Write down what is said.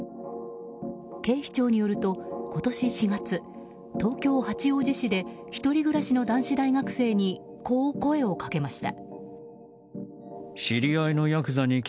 警視庁によると今年４月、東京・八王子市で１人暮らしの男子大学生にこう声をかけました。